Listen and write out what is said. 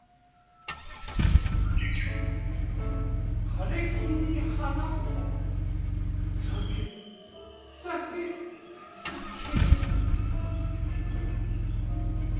枯れ木に花を咲け咲け咲け！